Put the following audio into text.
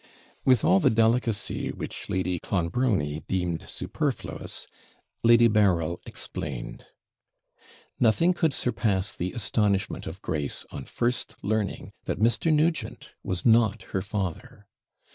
With all the delicacy which Lady Clonbrony deemed superfluous Lady Berryl explained. Nothing could surpass the astonishment of Grace, on first learning that Mr. Nugent was not her father.